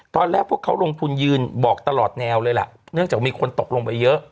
พวกเขาลงทุนยืนบอกตลอดแนวเลยล่ะเนื่องจากมีคนตกลงไปเยอะ